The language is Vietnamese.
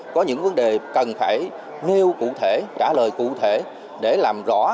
có những vấn đề cần phải nêu cụ thể trả lời cụ thể để làm rõ